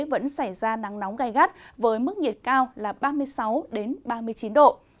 vẫn xảy ra nắng nóng gai gắt với mức nhiệt cao là ba mươi sáu ba mươi chín độ